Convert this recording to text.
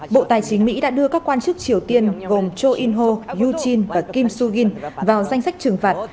bộ tài chính mỹ đã đưa các quan chức triều tiên gồm cho in ho yu jin và kim su gin vào danh sách trừng phạt